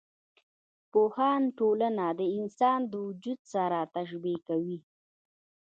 پوهان ټولنه د انسان د وجود سره تشبي کوي.